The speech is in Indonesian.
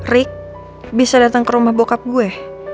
rick bisa datang ke rumah bokap gue